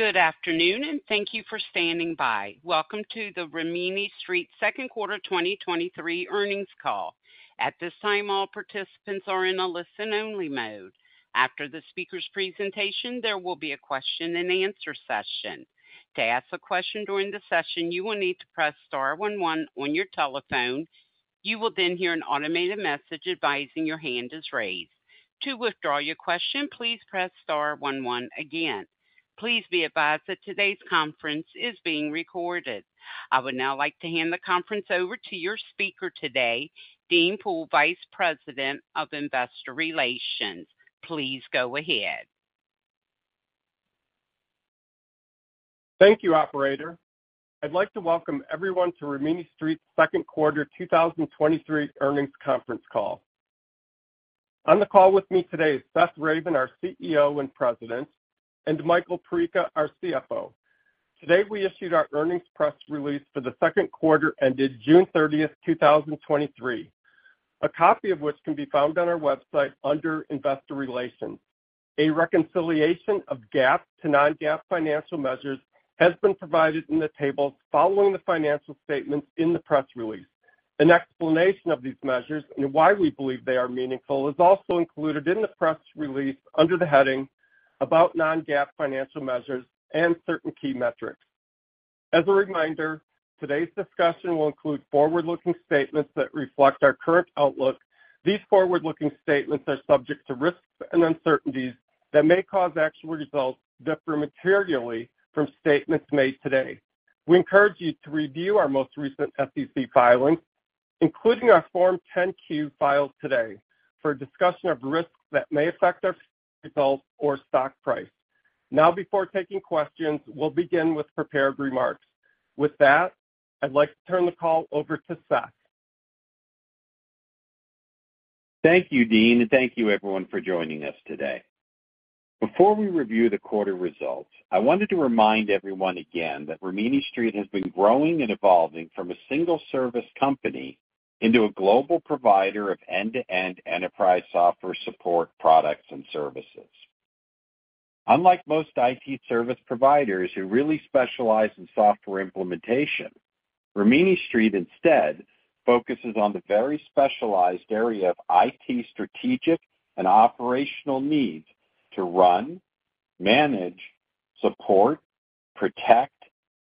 Good afternoon, and thank you for standing by. Welcome to the Rimini Street second Quarter 2023 earnings call. At this time, all participants are in a listen-only mode. After the speaker's presentation, there will be a question-and-answer session. To ask a question during the session, you will need to press star 11 on your telephone. You will then hear an automated message advising your hand is raised. To withdraw your question, please press star 11 again. Please be advised that today's conference is being recorded. I would now like to hand the conference over to your speaker today, Dean Pohl, Vice President of Investor Relations. Please go ahead. Thank you, operator. I'd like to welcome everyone to Rimini Street's second quarter 2023 earnings conference call. On the call with me today is Seth Ravin, our CEO and President, and Michael Perica, our CFO. Today, we issued our earnings press release for the second quarter, ended June 30th, 2023. A copy of which can be found on our website under Investor Relations. A reconciliation of GAAP to non-GAAP financial measures has been provided in the table following the financial statements in the press release. An explanation of these measures and why we believe they are meaningful is also included in the press release under the heading About non-GAAP Financial Measures and Certain Key Metrics. As a reminder, today's discussion will include forward-looking statements that reflect our current outlook. These forward-looking statements are subject to risks and uncertainties that may cause actual results to differ materially from statements made today. We encourage you to review our most recent SEC filings, including our Form 10-Q filed today, for a discussion of risks that may affect our results or stock price. Before taking questions, we'll begin with prepared remarks. With that, I'd like to turn the call over to Seth. Thank you, Dean. Thank you everyone for joining us today. Before we review the quarter results, I wanted to remind everyone again that Rimini Street has been growing and evolving from a single service company into a global provider of end-to-end enterprise software support products and services. Unlike most IT service providers who really specialize in software implementation, Rimini Street instead focuses on the very specialized area of IT strategic and operational needs to run, manage, support, protect,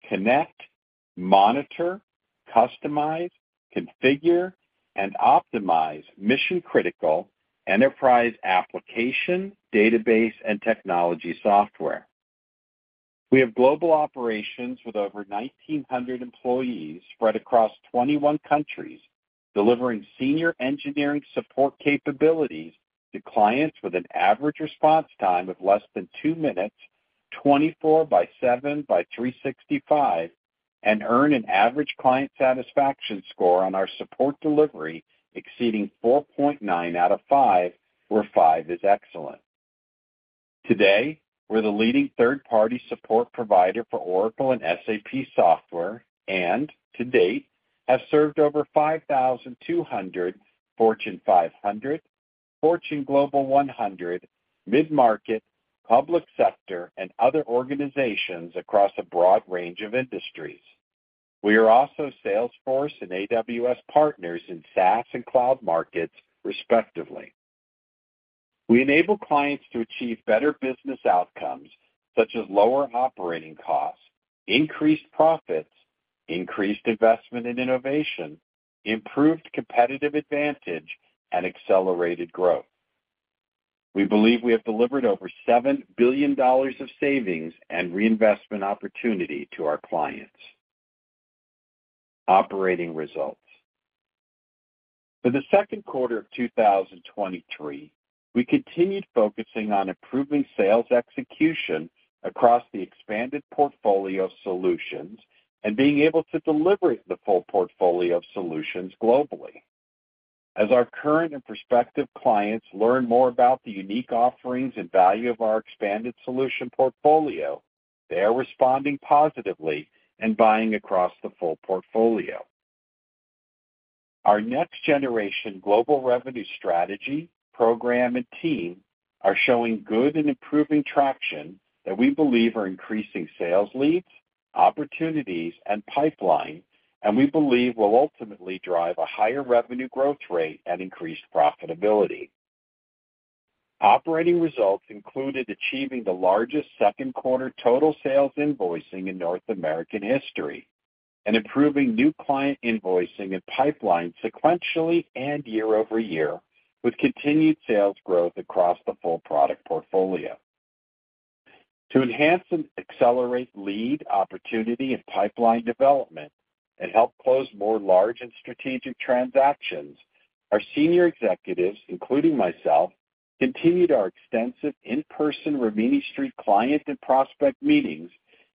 connect, monitor, customize, configure, and optimize mission-critical enterprise application, database, and technology software. We have global operations with over 1,900 employees spread across 21 countries, delivering senior engineering support capabilities to clients with an average response time of less than two minutes, 24x7x365, and earn an average client satisfaction score on our support delivery, exceeding 4.9 out of five, where five is excellent. Today, we're the leading third-party support provider for Oracle and SAP software and to date have served over 5,200 Fortune 500, Fortune Global 100, mid-market, public sector, and other organizations across a broad range of industries. We are also Salesforce and AWS partners in SaaS and cloud markets, respectively. We enable clients to achieve better business outcomes such as lower operating costs, increased profits, increased investment in innovation, improved competitive advantage, and accelerated growth. We believe we have delivered over $7 billion of savings and reinvestment opportunity to our clients. Operating results. For the second quarter of 2023, we continued focusing on improving sales execution across the expanded portfolio of solutions and being able to deliver the full portfolio of solutions globally. As our current and prospective clients learn more about the unique offerings and value of our expanded solution portfolio, they are responding positively and buying across the full portfolio. Our next generation global revenue strategy, program, and team are showing good and improving traction that we believe are increasing sales leads, opportunities, and pipeline, and we believe will ultimately drive a higher revenue growth rate and increased profitability. Operating results included achieving the largest second quarter total sales invoicing in North American history and improving new client invoicing and pipeline sequentially and year-over-year, with continued sales growth across the full product portfolio. To enhance and accelerate lead, opportunity, and pipeline development and help close more large and strategic transactions, our senior executives, including myself, continued our extensive in-person Rimini Street client and prospect meetings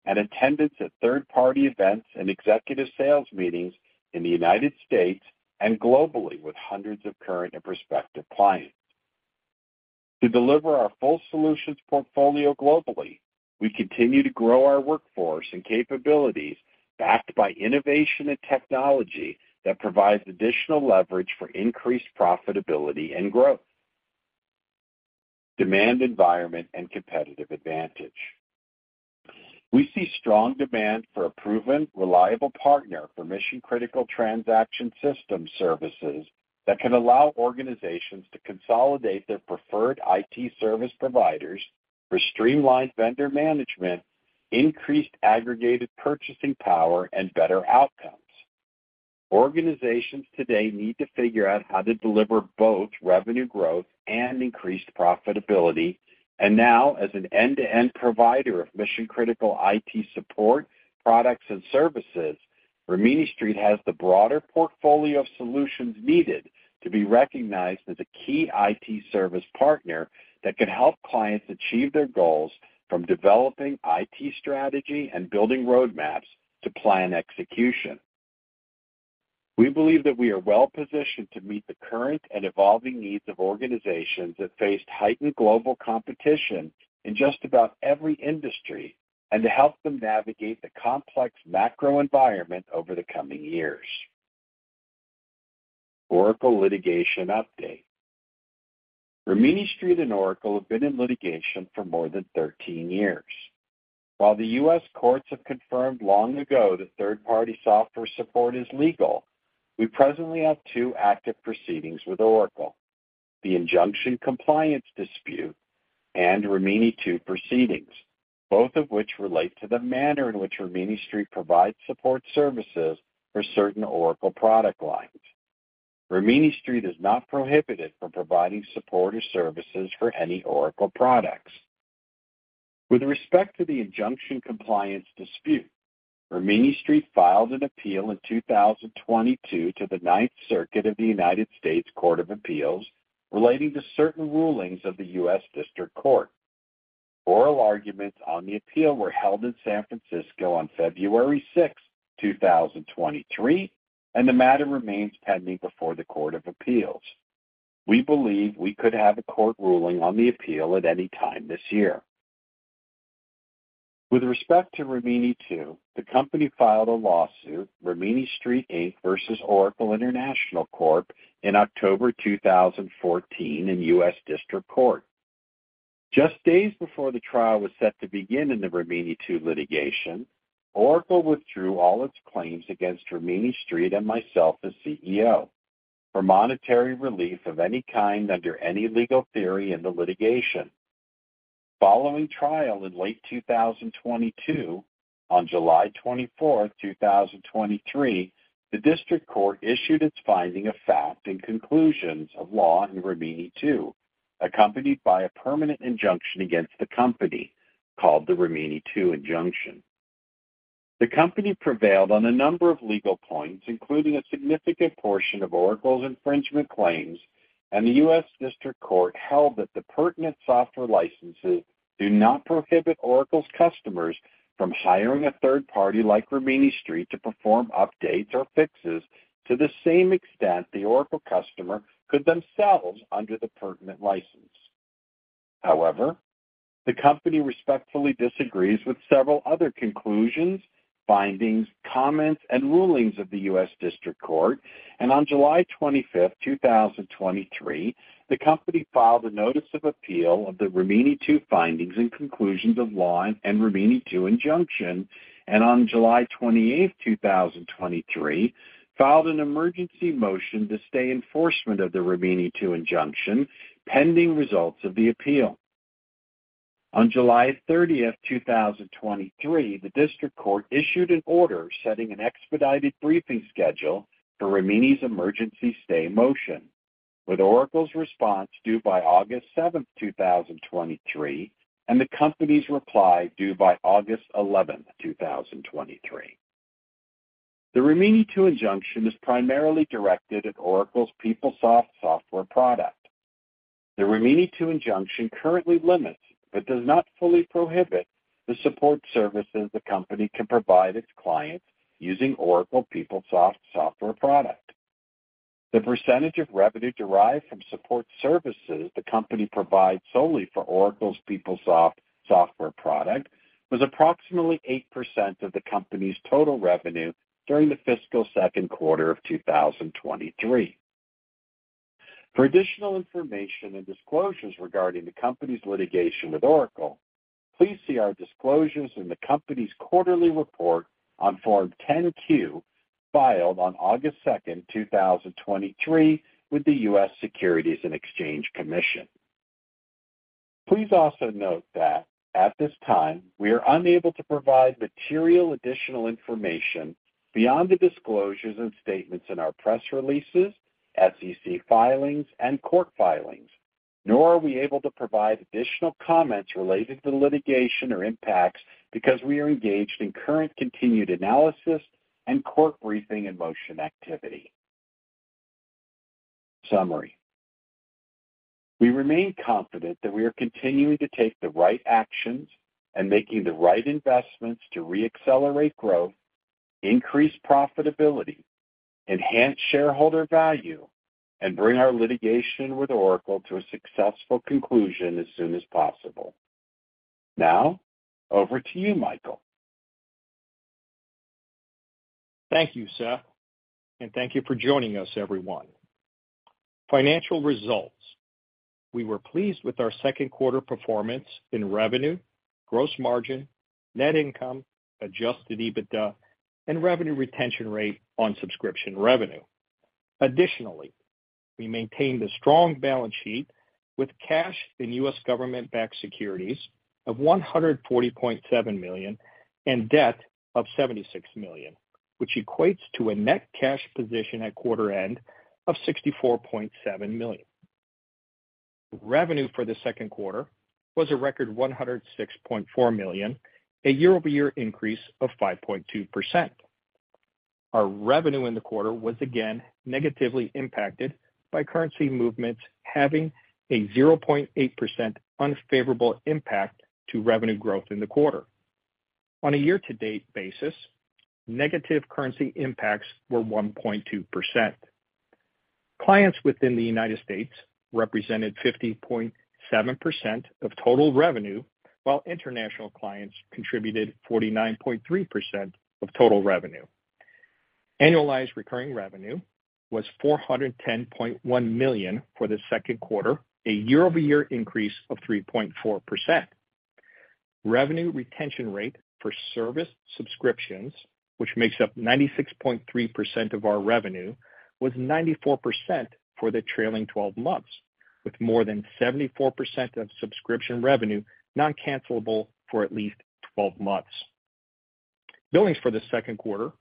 and attendance at third-party events and executive sales meetings in the United States and globally with hundreds of current and prospective clients. To deliver our full solutions portfolio globally, we continue to grow our workforce and capabilities, backed by innovation and technology that provides additional leverage for increased profitability and growth.... Demand environment and competitive advantage. We see strong demand for a proven, reliable partner for mission-critical transaction system services that can allow organizations to consolidate their preferred IT service providers for streamlined vendor management, increased aggregated purchasing power, and better outcomes. Organizations today need to figure out how to deliver both revenue growth and increased profitability. Now, as an end-to-end provider of mission-critical IT support, products, and services, Rimini Street has the broader portfolio of solutions needed to be recognized as a key IT service partner that can help clients achieve their goals, from developing IT strategy and building roadmaps to plan execution. We believe that we are well-positioned to meet the current and evolving needs of organizations that face heightened global competition in just about every industry, and to help them navigate the complex macro environment over the coming years. Oracle litigation update. Rimini Street and Oracle have been in litigation for more than 13 years. While the U.S. courts have confirmed long ago that third-party software support is legal, we presently have two active proceedings with Oracle: the injunction compliance dispute and Rimini II proceedings, both of which relate to the manner in which Rimini Street provides support services for certain Oracle product lines. Rimini Street is not prohibited from providing support or services for any Oracle products. With respect to the injunction compliance dispute, Rimini Street filed an appeal in 2022 to the Ninth Circuit of the United States Court of Appeals relating to certain rulings of the U.S. District Court. Oral arguments on the appeal were held in San Francisco on February 6, 2023, and the matter remains pending before the Court of Appeals. We believe we could have a court ruling on the appeal at any time this year. With respect to Rimini II, the company filed a lawsuit, Rimini Street, Inc. versus Oracle International Corp, in October 2014 in U.S. District Court. Just days before the trial was set to begin in the Rimini II litigation, Oracle withdrew all its claims against Rimini Street and myself as CEO for monetary relief of any kind under any legal theory in the litigation. Following trial in late 2022, on July 24th, 2023, the district court issued its finding of facts and conclusions of law in Rimini II, accompanied by a permanent injunction against the company, called the Rimini II Injunction. The company prevailed on a number of legal points, including a significant portion of Oracle's infringement claims, and the U.S. District Court held that the pertinent software licenses do not prohibit Oracle's customers from hiring a third party like Rimini Street to perform updates or fixes to the same extent the Oracle customer could themselves under the pertinent license. However, the company respectfully disagrees with several other conclusions, findings, comments, and rulings of the U.S. District Court, and on July 25, 2023, the company filed a notice of appeal of the Rimini II findings and conclusions of law and Rimini II injunction, and on July 28, 2023, filed an emergency motion to stay enforcement of the Rimini II injunction, pending results of the appeal. On July 30, 2023, the District Court issued an order setting an expedited briefing schedule for Rimini Street's emergency stay motion, with Oracle's response due by August 7, 2023, and the company's reply due by August 11, 2023. The Rimini II Injunction is primarily directed at Oracle's PeopleSoft software product. The Rimini II Injunction currently limits, but does not fully prohibit, the support services the company can provide its clients using Oracle PeopleSoft software product. The percentage of revenue derived from support services the company provides solely for Oracle's PeopleSoft software product was approximately 8% of the company's total revenue during the fiscal second quarter of 2023. For additional information and disclosures regarding the company's litigation with Oracle, please see our disclosures in the company's quarterly report on Form 10-Q, filed on August 2, 2023, with the U.S. Securities and Exchange Commission. Please also note that at this time, we are unable to provide material additional information beyond the disclosures and statements in our press releases, SEC filings, and court filings, nor are we able to provide additional comments related to the litigation or impacts because we are engaged in current continued analysis and court briefing and motion activity. Summary. We remain confident that we are continuing to take the right actions and making the right investments to re-accelerate growth, increase profitability, enhance shareholder value, and bring our litigation with Oracle to a successful conclusion as soon as possible. Now, over to you, Michael.... Thank you, Seth, and thank you for joining us, everyone. Financial results. We were pleased with our second quarter performance in revenue, gross margin, net income, adjusted EBITDA, and revenue retention rate on subscription revenue. Additionally, we maintained a strong balance sheet with cash in U.S. government-backed securities of $140.7 million, and debt of $76 million, which equates to a net cash position at quarter end of $64.7 million. Revenue for the second quarter was a record $106.4 million, a year-over-year increase of 5.2%. Our revenue in the quarter was again negatively impacted by currency movements, having a 0.8% unfavorable impact to revenue growth in the quarter. On a year-to-date basis, negative currency impacts were 1.2%. Clients within the United States represented 50.7% of total revenue, while international clients contributed 49.3% of total revenue. Annualized Recurring Revenue was $410.1 million for the second quarter, a year-over-year increase of 3.4%. Revenue retention rate for service subscriptions, which makes up 96.3% of our revenue, was 94% for the trailing 12 months, with more than 74% of subscription revenue non-cancellable for at least 12 months. Billings for the second quarter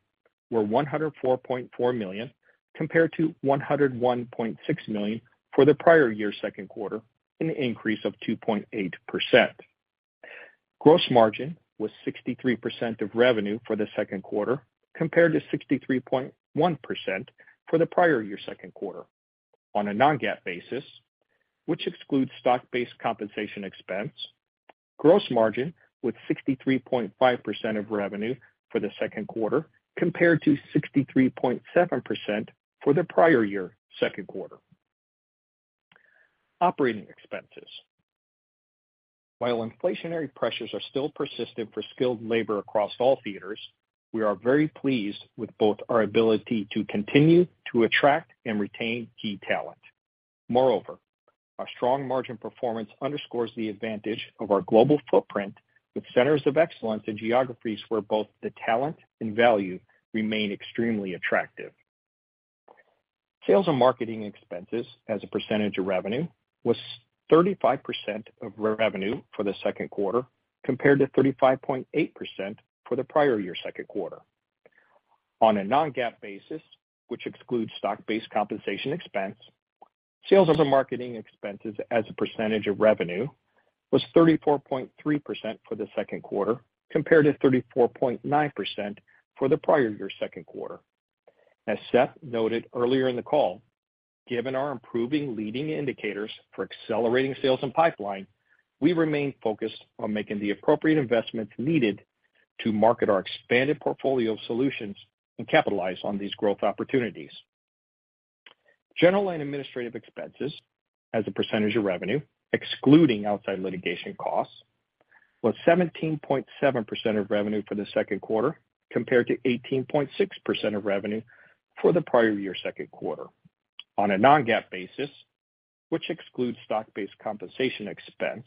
were $104.4 million, compared to $101.6 million for the prior year's second quarter, an increase of 2.8%. Gross margin was 63% of revenue for the second quarter, compared to 63.1% for the prior year's second quarter. On a non-GAAP basis, which excludes stock-based compensation expense, gross margin was 63.5% of revenue for the second quarter, compared to 63.7% for the prior year's second quarter. Operating expenses. While inflationary pressures are still persistent for skilled labor across all theaters, we are very pleased with both our ability to continue to attract and retain key talent. Moreover, our strong margin performance underscores the advantage of our global footprint, with centers of excellence in geographies where both the talent and value remain extremely attractive. Sales and marketing expenses as a percentage of revenue was 35% of revenue for the second quarter, compared to 35.8% for the prior year's second quarter. On a non-GAAP basis, which excludes stock-based compensation expense, sales and marketing expenses as a percentage of revenue was 34.3% for the second quarter, compared to 34.9% for the prior year's second quarter. As Seth noted earlier in the call, given our improving leading indicators for accelerating sales and pipeline, we remain focused on making the appropriate investments needed to market our expanded portfolio of solutions and capitalize on these growth opportunities. General and administrative expenses as a percentage of revenue, excluding outside litigation costs, was 17.7% of revenue for the second quarter, compared to 18.6% of revenue for the prior year's second quarter. On a non-GAAP basis, which excludes stock-based compensation expense,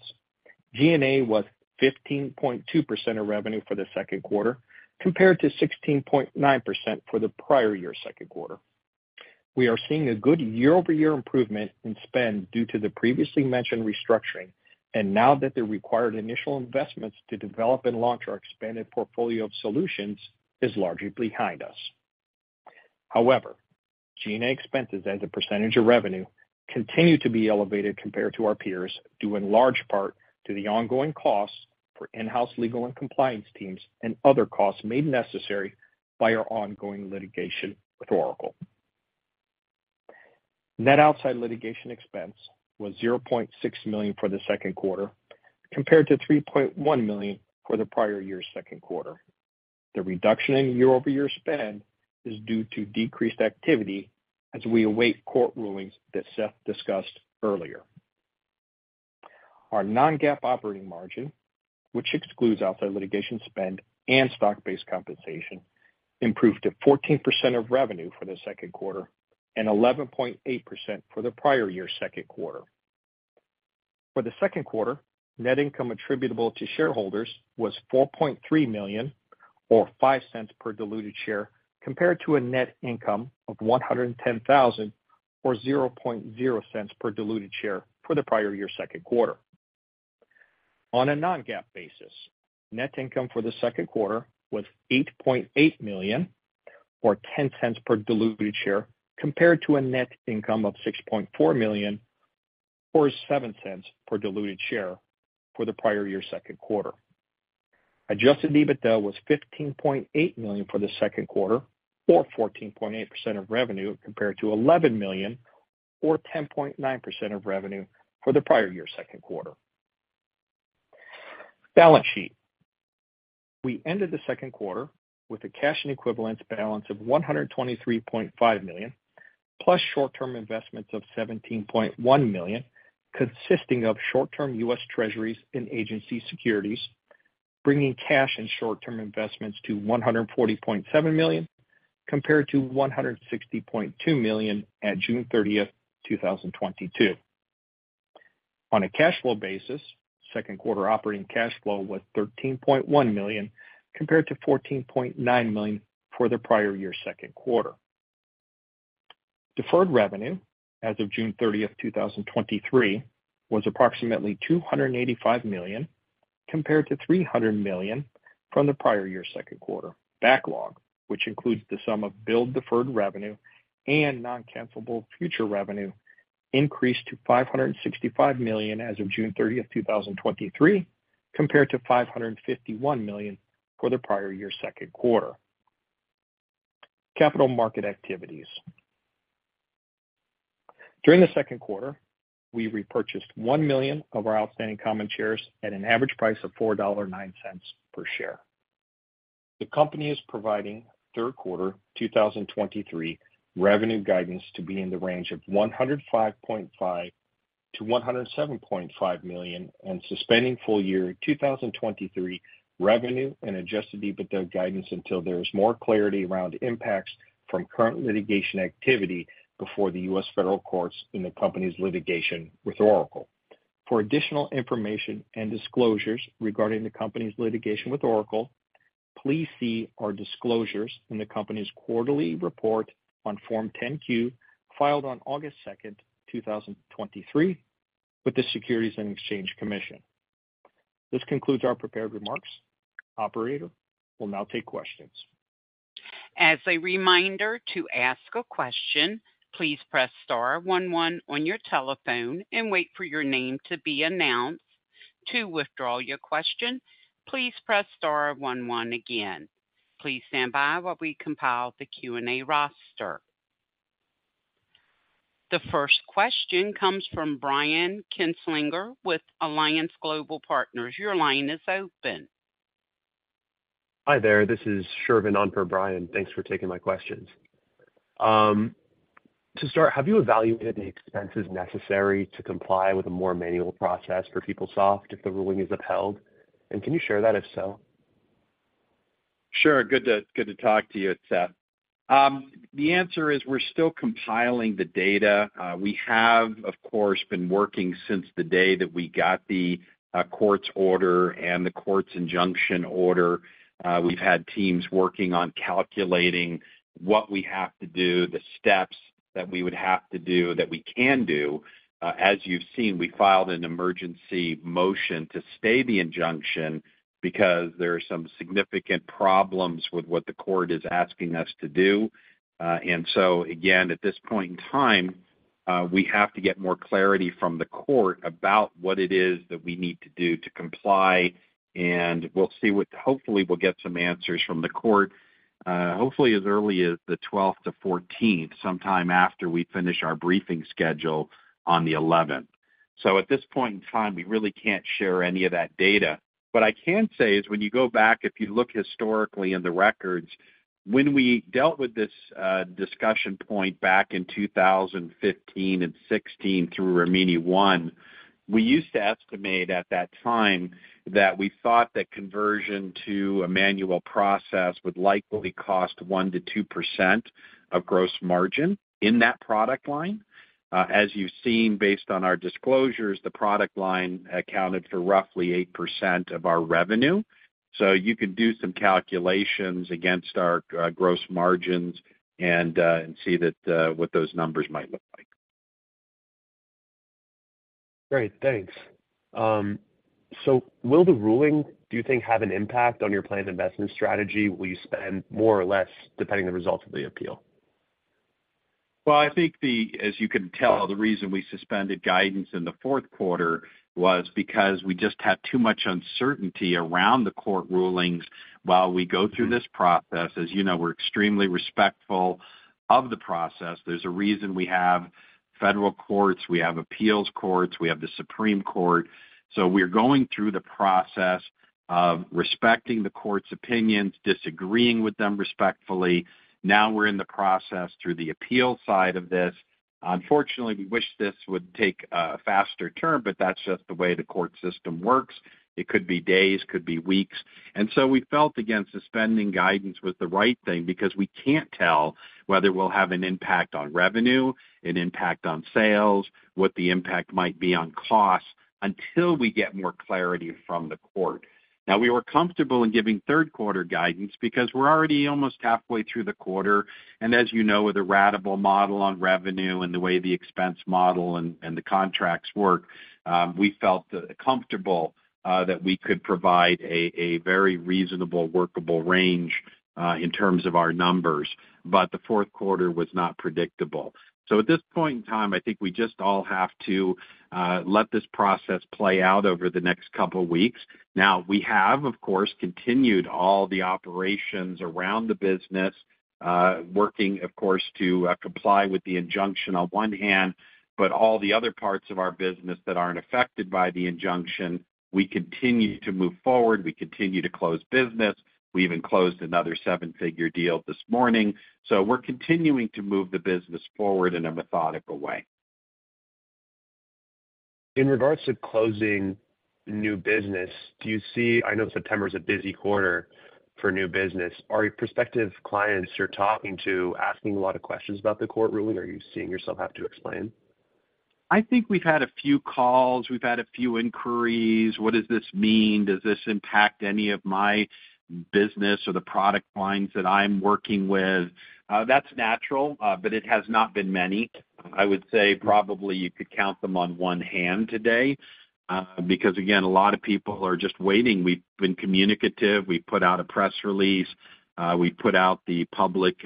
G&A was 15.2% of revenue for the second quarter, compared to 16.9% for the prior year's second quarter. We are seeing a good year-over-year improvement in spend due to the previously mentioned restructuring, and now that the required initial investments to develop and launch our expanded portfolio of solutions is largely behind us. However, G&A expenses as a % of revenue continue to be elevated compared to our peers, due in large part to the ongoing costs for in-house legal and compliance teams and other costs made necessary by our ongoing litigation with Oracle. Net outside litigation expense was $0.6 million for the second quarter, compared to $3.1 million for the prior year's second quarter. The reduction in year-over-year spend is due to decreased activity as we await court rulings that Seth discussed earlier. Our non-GAAP operating margin, which excludes outside litigation spend and stock-based compensation, improved to 14% of revenue for the second quarter and 11.8% for the prior year's second quarter. For the second quarter, net income attributable to shareholders was $4.3 million, or $0.05 per diluted share, compared to a net income of $110,000, or $0.00 per diluted share for the prior year's second quarter. On a non-GAAP basis, net income for the second quarter was $8.8 million, or $0.10 per diluted share, compared to a net income of $6.4 million, or $0.07 per diluted share for the prior year's second quarter. Adjusted EBITDA was $15.8 million for the second quarter, or 14.8% of revenue, compared to $11 million, or 10.9% of revenue for the prior year's second quarter. Balance sheet. We ended the second quarter with a cash and equivalence balance of $123.5 million. Plus short-term investments of $17.1 million, consisting of short-term U.S. Treasuries and agency securities, bringing cash and short-term investments to $140.7 million, compared to $160.2 million at June 30, 2022. On a cash flow basis, second quarter operating cash flow was $13.1 million, compared to $14.9 million for the prior year's second quarter. Deferred revenue as of June 30, 2023, was approximately $285 million, compared to $300 million from the prior year's second quarter. Backlog, which includes the sum of billed deferred revenue and non-cancelable future revenue, increased to $565 million as of June 30, 2023, compared to $551 million for the prior year's second quarter. Capital market activities. During the second quarter, we repurchased $1 million of our outstanding common shares at an average price of $4.09 per share. The company is providing third quarter 2023 revenue guidance to be in the range of $105.5 million-$107.5 million, and suspending full year 2023 revenue and adjusted EBITDA guidance until there is more clarity around impacts from current litigation activity before the U.S. federal courts in the company's litigation with Oracle. For additional information and disclosures regarding the company's litigation with Oracle, please see our disclosures in the company's quarterly report on Form 10-Q, filed on August 2nd, 2023, with the Securities and Exchange Commission. This concludes our prepared remarks. Operator, we'll now take questions. As a reminder, to ask a question, please press star one one on your telephone and wait for your name to be announced. To withdraw your question, please press star one one again. Please stand by while we compile the Q&A roster. The first question comes from Brian Kinstlinger with Alliance Global Partners. Your line is open. Hi there, this is Shervin on for Brian. Thanks for taking my questions. To start, have you evaluated the expenses necessary to comply with a more manual process for PeopleSoft if the ruling is upheld, and can you share that, if so? Sure. Good to, good to talk to you. It's Seth. The answer is we're still compiling the data. We have, of course, been working since the day that we got the court's order and the court's injunction order. We've had teams working on calculating what we have to do, the steps that we would have to do, that we can do. As you've seen, we filed an emergency motion to stay the injunction because there are some significant problems with what the court is asking us to do. Again, at this point in time, we have to get more clarity from the court about what it is that we need to do to comply, and we'll see what. Hopefully we'll get some answers from the court, hopefully as early as the 12th-14th, sometime after we finish our briefing schedule on the 11th. At this point in time, we really can't share any of that data. What I can say is, when you go back, if you look historically in the records, when we dealt with this discussion point back in 2015 and 2016 through Rimini ONE, we used to estimate at that time that we thought that conversion to a manual process would likely cost 1%-2% of gross margin in that product line. As you've seen, based on our disclosures, the product line accounted for roughly 8% of our revenue. You can do some calculations against our gross margins and, and see that, what those numbers might look like. Great, thanks. Will the ruling, do you think, have an impact on your planned investment strategy? Will you spend more or less depending on the results of the appeal? Well, I think the, as you can tell, the reason we suspended guidance in the fourth quarter was because we just had too much uncertainty around the court rulings. While we go through this process, as you know, we're extremely respectful of the process. There's a reason we have federal courts, we have appeals courts, we have the Supreme Court. We're going through the process of respecting the court's opinions, disagreeing with them respectfully. Now we're in the process through the appeal side of this. Unfortunately, we wish this would take a faster turn, but that's just the way the court system works. It could be days, could be weeks. We felt against suspending guidance was the right thing because we can't tell whether we'll have an impact on revenue, an impact on sales, what the impact might be on costs, until we get more clarity from the court. Now, we were comfortable in giving third quarter guidance because we're already almost halfway through the quarter. As you know, with a ratable model on revenue and the way the expense model and, and the contracts work, we felt comfortable that we could provide a, a very reasonable, workable range in terms of our numbers. The fourth quarter was not predictable. At this point in time, I think we just all have to let this process play out over the next couple weeks. Now, we have, of course, continued all the operations around the business, working, of course, to comply with the injunction on one hand, but all the other parts of our business that aren't affected by the injunction, we continue to move forward. We continue to close business. We even closed another seven-figure deal this morning. We're continuing to move the business forward in a methodical way. In regards to closing new business, do you see, I know September is a busy quarter for new business? Are prospective clients you're talking to asking a lot of questions about the court ruling? Are you seeing yourself have to explain? I think we've had a few calls. We've had a few inquiries. What does this mean? Does this impact any of my business or the product lines that I'm working with? That's natural, but it has not been many. I would say probably you could count them on one hand today, because, again, a lot of people are just waiting. We've been communicative. We put out a press release, we put out the public,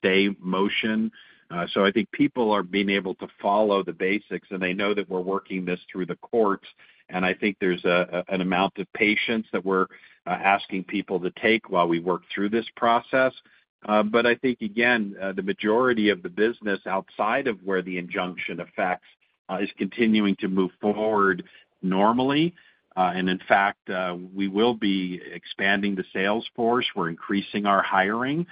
stay motion. I think people are being able to follow the basics, and they know that we're working this through the courts. I think there's an amount of patience that we're asking people to take while we work through this process. I think, again, the majority of the business outside of where the injunction affects, is continuing to move forward normally. In fact, we will be expanding the sales force. We're increasing our hiring,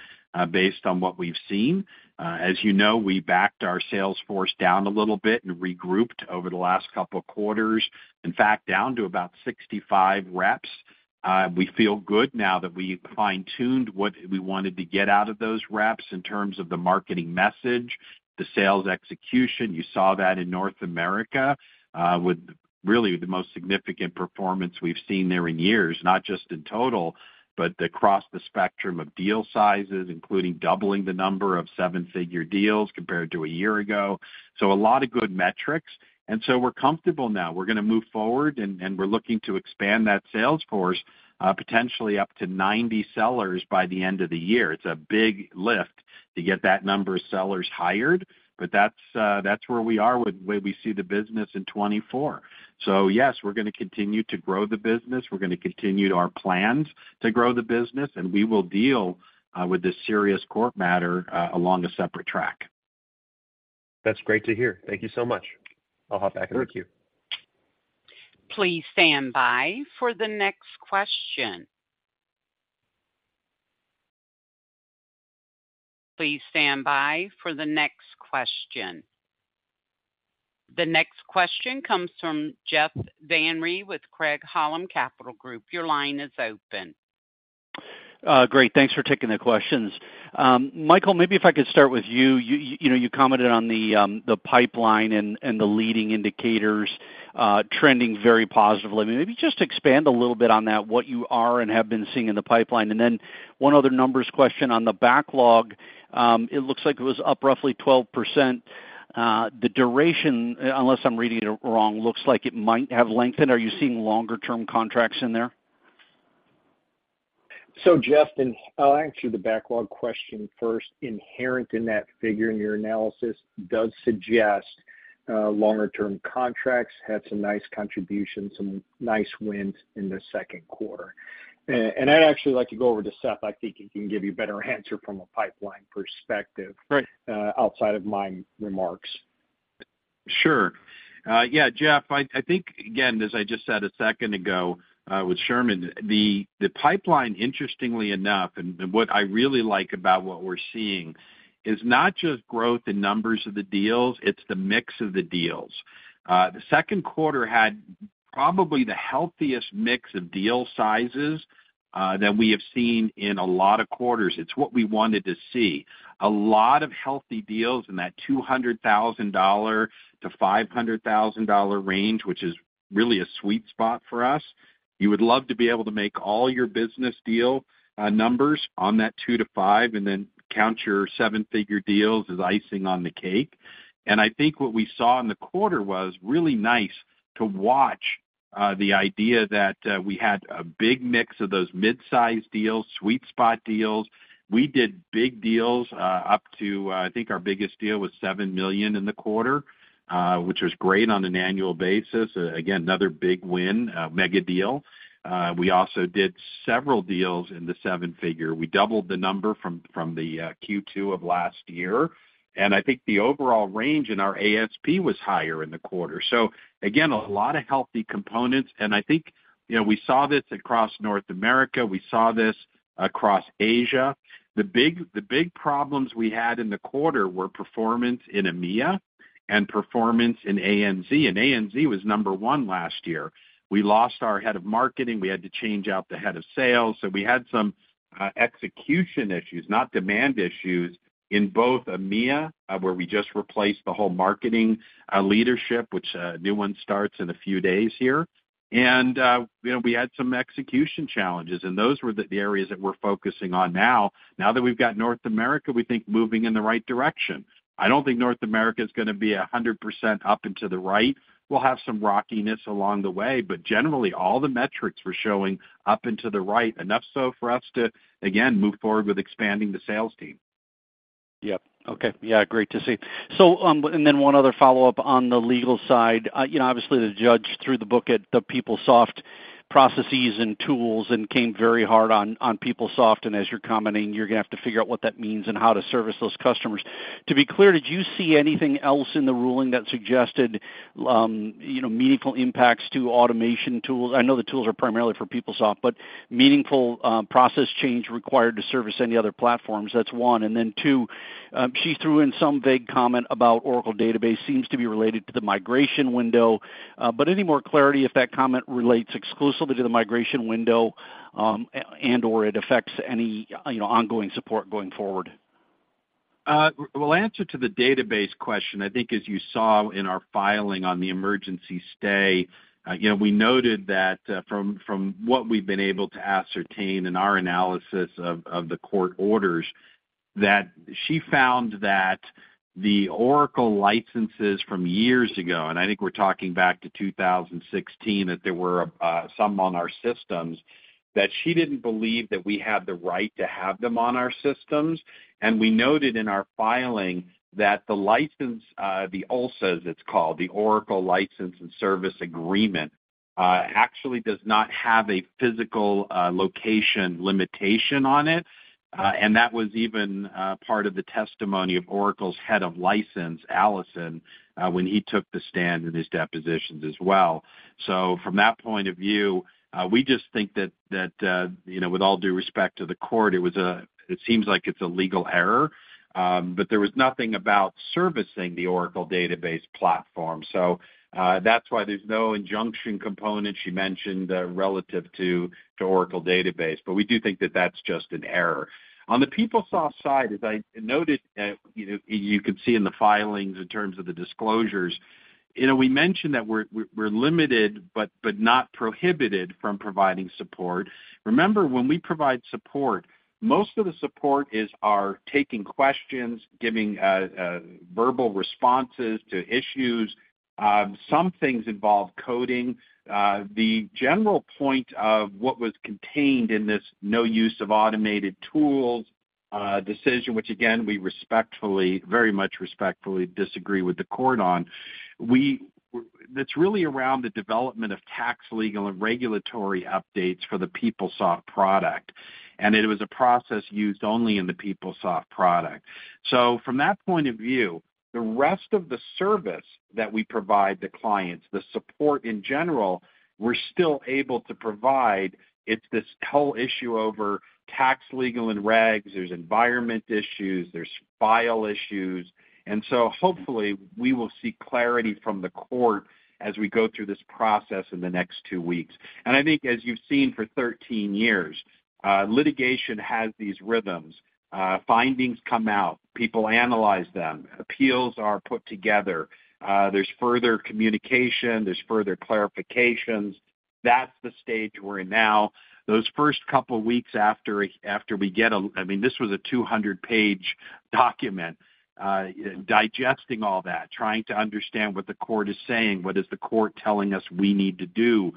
based on what we've seen. As you know, we backed our sales force down a little bit and regrouped over the last couple of quarters. In fact, down to about 65 reps. We feel good now that we fine-tuned what we wanted to get out of those reps in terms of the marketing message, the sales execution. You saw that in North America, with really the most significant performance we've seen there in years, not just in total, but across the spectrum of deal sizes, including doubling the number of seven-figure deals compared to a year ago. A lot of good metrics. We're comfortable now. We're going to move forward, and, and we're looking to expand that sales force, potentially up to 90 sellers by the end of the year. It's a big lift to get that number of sellers hired, but that's, that's where we are with the way we see the business in 2024. Yes, we're going to continue to grow the business. We're going to continue our plans to grow the business. We will deal, with this serious court matter, along a separate track. That's great to hear. Thank you so much. I'll hop back in the queue. Please stand by for the next question. Please stand by for the next question. The next question comes from Jeff Van Rhee with Craig-Hallum Capital Group. Your line is open. Great. Thanks for taking the questions. Michael, maybe if I could start with you. You, you know, you commented on the pipeline and the leading indicators, trending very positively. Maybe just expand a little bit on that, what you are and have been seeing in the pipeline. One other numbers question on the backlog, it looks like it was up roughly 12%. The duration, unless I'm reading it wrong, looks like it might have lengthened. Are you seeing longer term contracts in there? Jeff, and I'll answer the backlog question first. Inherent in that figure in your analysis does suggest, longer term contracts, had some nice contributions, some nice wins in the second quarter. I'd actually like to go over to Seth. I think he can give you a better answer from a pipeline perspective- Great. - outside of my remarks. Sure. Yeah, Jeff, I, I think, again, as I just said a second ago, with Shervin, the, the pipeline, interestingly enough, and, and what I really like about what we're seeing is not just growth in numbers of the deals, it's the mix of the deals. The second quarter had probably the healthiest mix of deal sizes than we have seen in a lot of quarters. It's what we wanted to see. A lot of healthy deals in that $200,000-$500,000 range, which is really a sweet spot for us. You would love to be able to make all your business deal numbers on that two to five, and then count your seven-figure deals as icing on the cake. I think what we saw in the quarter was really nice to watch, the idea that we had a big mix of those mid-sized deals, sweet spot deals. We did big deals, up to, I think our biggest deal was $7 million in the quarter, which was great on an annual basis. Again, another big win, mega deal. We also did several deals in the seven figure. We doubled the number from, from the Q2 of last year, and I think the overall range in our ASP was higher in the quarter. Again, a lot of healthy components, and I think, you know, we saw this across North America, we saw this across Asia. The big, the big problems we had in the quarter were performance in EMEA and performance in ANZ. ANZ was number one last year. We lost our head of marketing. We had to change out the head of sales. We had some execution issues, not demand issues, in both EMEA, where we just replaced the whole marketing leadership, which a new one starts in a few days here. You know, we had some execution challenges, and those were the areas that we're focusing on now. Now that we've got North America, we think, moving in the right direction. I don't think North America is going to be 100% up and to the right. We'll have some rockiness along the way, but generally, all the metrics were showing up and to the right, enough so for us to, again, move forward with expanding the sales team. Yep. Okay. Yeah, great to see. Then one other follow-up on the legal side. You know, obviously, the judge threw the book at the PeopleSoft processes and tools and came very hard on, on PeopleSoft, and as you're commenting, you're going to have to figure out what that means and how to service those customers. To be clear, did you see anything else in the ruling that suggested, you know, meaningful impacts to automation tools? I know the tools are primarily for PeopleSoft, but meaningful process change required to service any other platforms? That's one. Then two, she threw in some vague comment about Oracle database, seems to be related to the migration window. Any more clarity if that comment relates exclusively to the migration window, and, or it affects any, you know, ongoing support going forward? Well, answer to the database question, I think as you saw in our filing on the emergency stay, you know, we noted that from, from what we've been able to ascertain in our analysis of, of the court orders, that she found that the Oracle licenses from years ago, and I think we're talking back to 2016, that there were some on our systems, that she didn't believe that we had the right to have them on our systems. We noted in our filing that the license, the OLSA, as it's called, the Oracle License and Services Agreement, actually does not have a physical location limitation on it. And that was even part of the testimony of Oracle's head of license, Allison, when he took the stand in his depositions as well. From that point of view, we just think that, that, you know, with all due respect to the court, it seems like it's a legal error, but there was nothing about servicing the Oracle database platform. That's why there's no injunction component she mentioned relative to Oracle database. We do think that that's just an error. On the PeopleSoft side, as I noted, you know, you could see in the filings in terms of the disclosures, you know, we mentioned that we're limited, but not prohibited from providing support. Remember, when we provide support, most of the support is, are taking questions, giving verbal responses to issues. Some things involve coding. The general point of what was contained in this no use of automated tools, decision, which again, we respectfully, very much respectfully disagree with the court on. That's really around the development of tax, legal, and regulatory updates for the PeopleSoft product. It was a process used only in the PeopleSoft product. From that point of view, the rest of the service that we provide the clients, the support in general, we're still able to provide. It's this whole issue over tax, legal, and regs. There's environment issues, there's file issues. Hopefully, we will see clarity from the court as we go through this process in the next two weeks. I think as you've seen for 13 years, litigation has these rhythms. Findings come out, people analyze them, appeals are put together, there's further communication, there's further clarifications. That's the stage we're in now. Those first couple of weeks after, after we get a... I mean, this was a 200-page document. Digesting all that, trying to understand what the court is saying, what is the court telling us we need to do?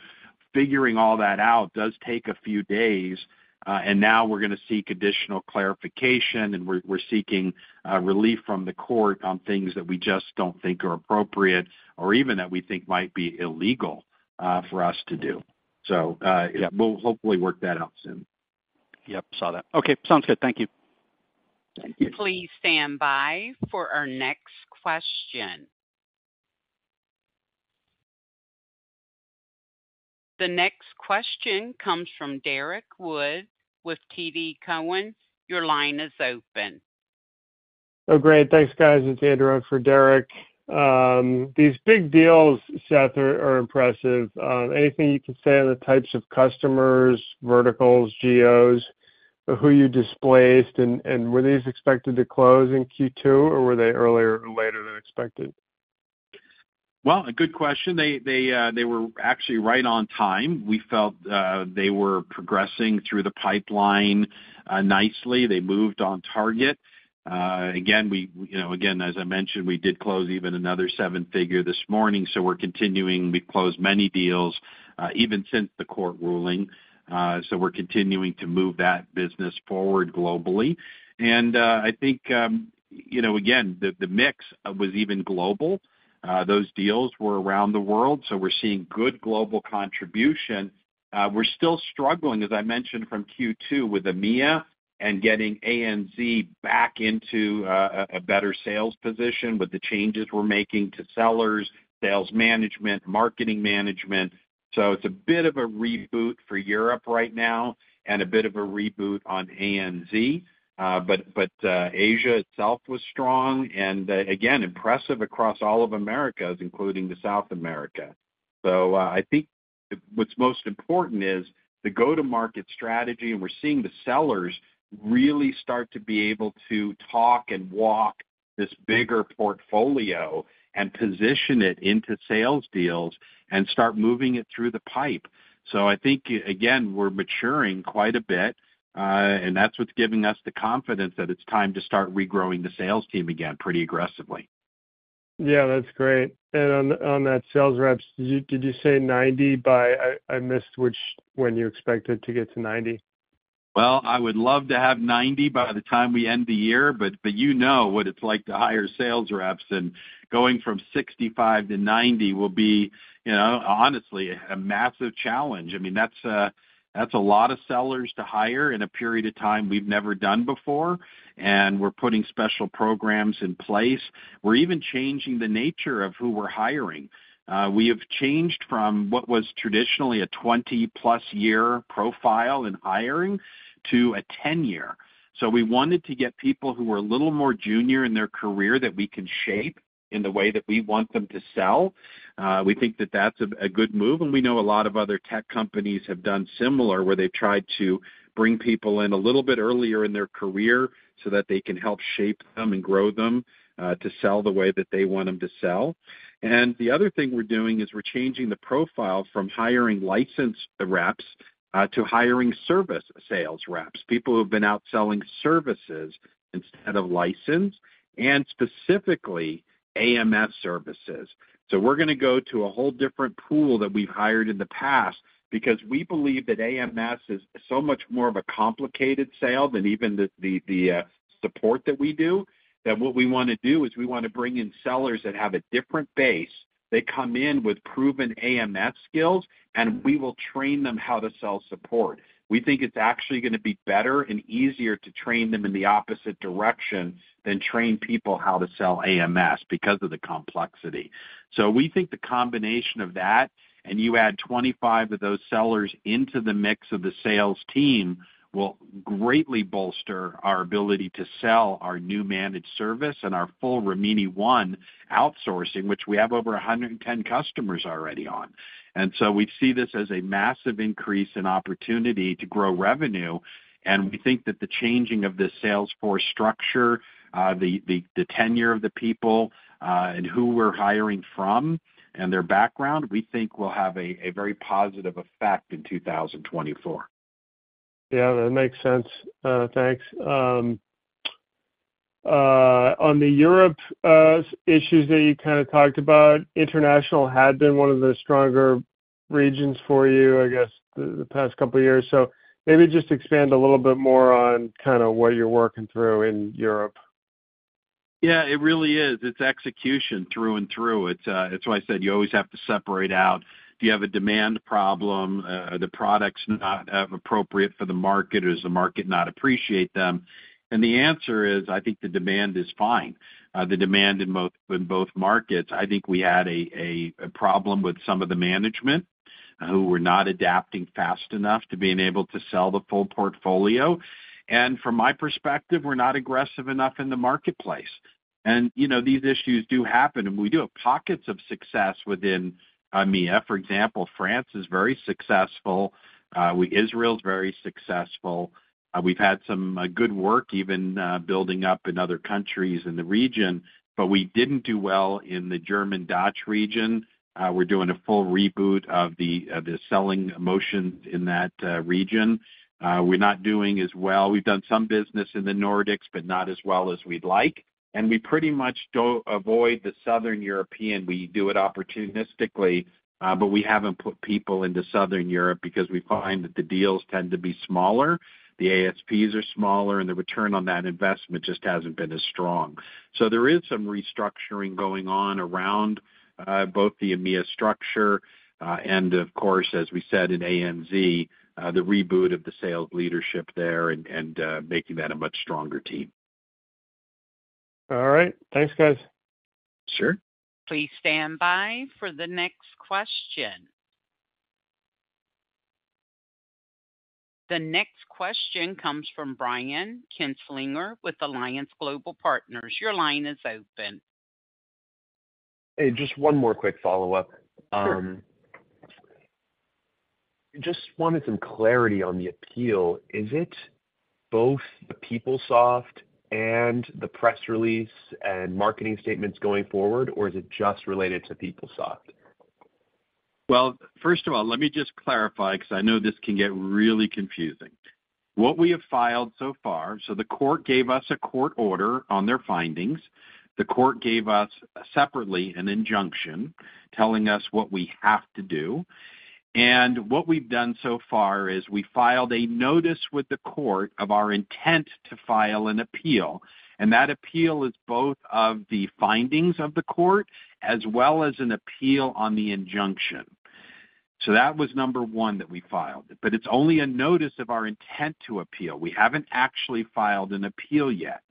Figuring all that out does take a few days. Now we're going to seek additional clarification. We're, we're seeking relief from the court on things that we just don't think are appropriate or even that we think might be illegal for us to do. Yeah, we'll hopefully work that out soon. Yep, saw that. Okay, sounds good. Thank you. Thank you. Please stand by for our next question. The next question comes from Derek Wood with TD Cowen. Your line is open. Oh, great. Thanks, guys. It's Andrew in for Derek. These big deals, Seth, are, are impressive. Anything you can say on the types of customers, verticals, geos, or who you displaced? And were these expected to close in Q2, or were they earlier or later than expected? Well, a good question. They, they, they were actually right on time. We felt, they were progressing through the pipeline, nicely. They moved on target. Again, we, you know, again, as I mentioned, we did close even another seven figure this morning, so we're continuing. We've closed many deals, even since the court ruling. We're continuing to move that business forward globally. I think, you know, again, the, the mix was even global. Those deals were around the world, so we're seeing good global contribution. We're still struggling, as I mentioned, from Q2 with EMEA and getting ANZ back into a, a, a better sales position with the changes we're making to sellers, sales management, marketing management. It's a bit of a reboot for Europe right now and a bit of a reboot on ANZ. Asia itself was strong and again, impressive across all of Americas, including the South America. I think what's most important is the go-to-market strategy, and we're seeing the sellers really start to be able to talk and walk this bigger portfolio and position it into sales deals and start moving it through the pipe. We're maturing quite a bit, and that's what's giving us the confidence that it's time to start regrowing the sales team again pretty aggressively. Yeah, that's great. On, on that sales reps, did you, did you say 90 by... I, I missed which, when you expected to get to 90? I would love to have 90 by the time we end the year, but you know what it's like to hire sales reps. Going from 65 to 90 will be, you know, honestly, a massive challenge. I mean, that's a, that's a lot of sellers to hire in a period of time we've never done before. We're putting special programs in place. We're even changing the nature of who we're hiring. We have changed from what was traditionally a 20-plus year profile in hiring to a 10-year. We wanted to get people who were a little more junior in their career that we can shape in the way that we want them to sell. We think that that's a good move. We know a lot of other tech companies have done similar, where they've tried to bring people in a little bit earlier in their career so that they can help shape them and grow them to sell the way that they want them to sell. The other thing we're doing is we're changing the profile from hiring licensed reps to hiring service sales reps, people who have been out selling services instead of license, and specifically AMS services. We're going to go to a whole different pool that we've hired in the past because we believe that AMS is so much more of a complicated sale than even the, the, the support that we do. That what we want to do is we want to bring in sellers that have a different base. They come in with proven AMS skills, and we will train them how to sell support. We think it's actually going to be better and easier to train them in the opposite direction than train people how to sell AMS because of the complexity. We think the combination of that, and you add 25 of those sellers into the mix of the sales team, will greatly bolster our ability to sell our new managed service and our full Rimini ONE outsourcing, which we have over 110 customers already on. We see this as a massive increase in opportunity to grow revenue. We think that the changing of the salesforce structure, the, the, the tenure of the people, and who we're hiring from and their background, we think will have a, a very positive effect in 2024. Yeah, that makes sense. Thanks. On the Europe issues that you kind of talked about, international had been one of the stronger regions for you, I guess, the, the past couple of years. Maybe just expand a little bit more on kind of what you're working through in Europe? Yeah, it really is. It's execution through and through. It's, it's why I said you always have to separate out. Do you have a demand problem? Are the products not appropriate for the market, or does the market not appreciate them? The answer is, I think the demand is fine. The demand in both, in both markets, I think we had a problem with some of the management who were not adapting fast enough to being able to sell the full portfolio. From my perspective, we're not aggressive enough in the marketplace. You know, these issues do happen, and we do have pockets of success within EMEA. For example, France is very successful. Israel is very successful. We've had some good work even building up in other countries in the region, but we didn't do well in the German Dutch region. We're doing a full reboot of the selling motion in that region. We're not doing as well. We've done some business in the Nordics, but not as well as we'd like, and we pretty much avoid the Southern European. We do it opportunistically, but we haven't put people into Southern Europe because we find that the deals tend to be smaller, the ASPs are smaller, and the return on that investment just hasn't been as strong. There is some restructuring going on around both the EMEA structure, and of course, as we said, in ANZ, the reboot of the sales leadership there and making that a much stronger team. All right. Thanks, guys. Sure. Please stand by for the next question. The next question comes from Brian Kinstlinger with Alliance Global Partners. Your line is open. Hey, just one more quick follow-up. Sure. Just wanted some clarity on the appeal. Is it both the PeopleSoft and the press release and marketing statements going forward, or is it just related to PeopleSoft? Well, first of all, let me just clarify, because I know this can get really confusing. What we have filed so far, the court gave us a court order on their findings. The court gave us, separately, an injunction telling us what we have to do. What we've done so far is we filed a notice with the court of our intent to file an appeal, and that appeal is both of the findings of the court as well as an appeal on the injunction. That was number one that we filed, but it's only a notice of our intent to appeal. We haven't actually filed an appeal yet.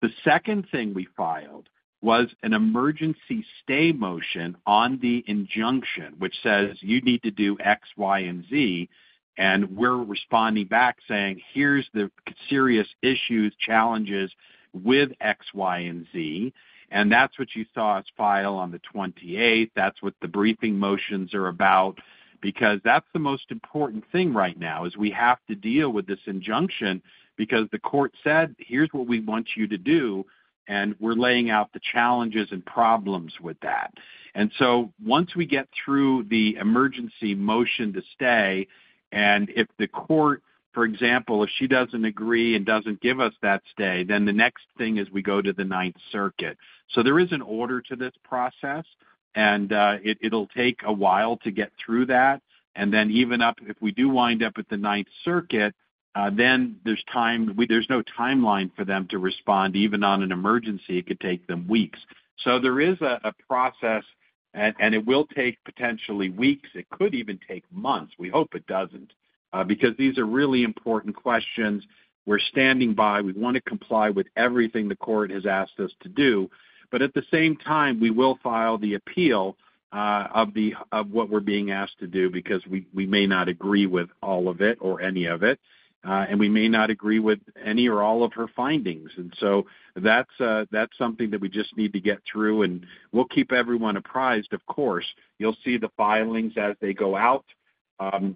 The second thing we filed was an emergency stay motion on the injunction, which says you need to do X, Y, and Z, and we're responding back saying: Here's the serious issues, challenges with X, Y, and Z. That's what you saw us file on the 28th. That's what the briefing motions are about, because that's the most important thing right now, is we have to deal with this injunction because the court said, "Here's what we want you to do," and we're laying out the challenges and problems with that. Once we get through the emergency motion to stay, and if the court, for example, if she doesn't agree and doesn't give us that stay, then the next thing is we go to the Ninth Circuit. There is an order to this process, and it'll take a while to get through that. Then even up, if we do wind up at the Ninth Circuit, then there's time. There's no timeline for them to respond. Even on an emergency, it could take them weeks. There is a process, and it will take potentially weeks. It could even take months. We hope it doesn't, because these are really important questions. We're standing by. We want to comply with everything the court has asked us to do. At the same time, we will file the appeal of the, of what we're being asked to do, because we, we may not agree with all of it or any of it, we may not agree with any or all of her findings. That's that's something that we just need to get through, and we'll keep everyone apprised, of course. You'll see the filings as they go out.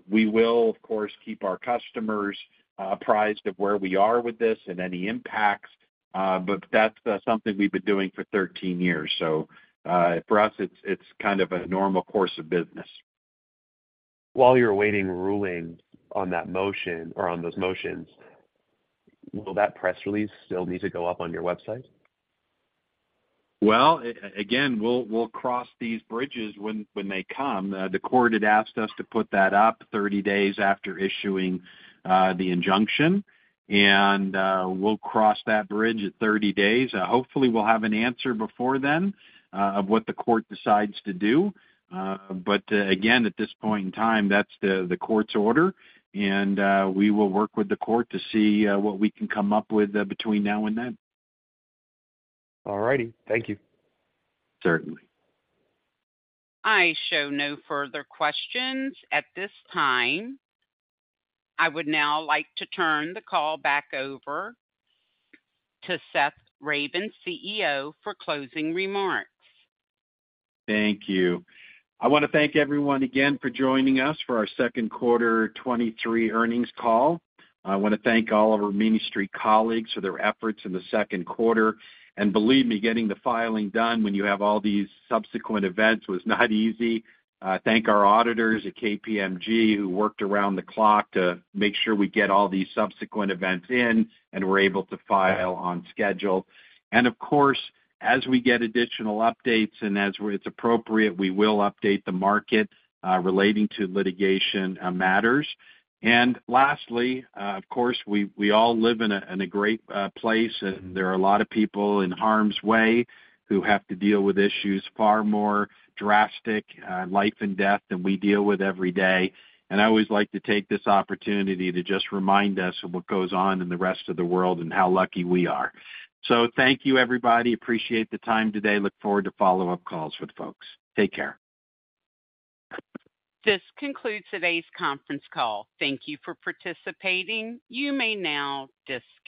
We will, of course, keep our customers apprised of where we are with this and any impacts. That's something we've been doing for 13 years. For us, it's, it's kind of a normal course of business. While you're awaiting ruling on that motion or on those motions, will that press release still need to go up on your website? Well, again, we'll, we'll cross these bridges when, when they come. The court had asked us to put that up 30 days after issuing the injunction, and we'll cross that bridge at 30 days. Hopefully, we'll have an answer before then of what the court decides to do. Again, at this point in time, that's the court's order, and we will work with the court to see what we can come up with between now and then. All righty. Thank you. Certainly. I show no further questions at this time. I would now like to turn the call back over to Seth Ravin, CEO, for closing remarks. Thank you. I wanna thank everyone again for joining us for our second quarter 2023 earnings call. I wanna thank all of our Rimini Street colleagues for their efforts in the second quarter. Believe me, getting the filing done when you have all these subsequent events was not easy. I thank our auditors at KPMG, who worked around the clock to make sure we get all these subsequent events in, and we're able to file on schedule. Of course, as we get additional updates and as we're it's appropriate, we will update the market relating to litigation matters. Lastly, of course, we, we all live in a, in a great place, and there are a lot of people in harm's way who have to deal with issues far more drastic, life and death, than we deal with every day. I always like to take this opportunity to just remind us of what goes on in the rest of the world and how lucky we are. Thank you, everybody. Appreciate the time today. Look forward to follow-up calls with folks. Take care. This concludes today's conference call. Thank you for participating. You may now disconnect.